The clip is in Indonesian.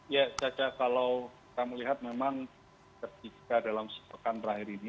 ya caca kalau kita melihat memang ketika dalam sepekan terakhir ini